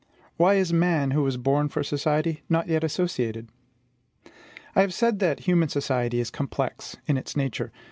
Why is man, who was born for society, not yet associated? I have said that human society is COMPLEX in its nature.